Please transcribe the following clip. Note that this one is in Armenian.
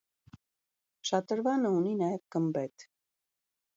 Շատրվանը ունի նաև գմբեթ։